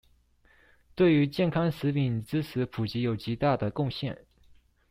對於健康食品知識普及有極大的貢獻